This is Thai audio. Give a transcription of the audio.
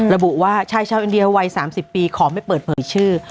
ระบุว่าชายชาวอินเดียวัย๓๐ปีขอไม่เปิดเผยชื่อ